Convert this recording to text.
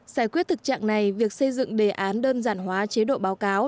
giải quyết thực trạng này việc xây dựng đề án đơn giản hóa chế độ báo cáo